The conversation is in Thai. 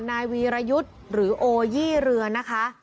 นายวีรยุทธ์หรือโอยี่เรือนะคะ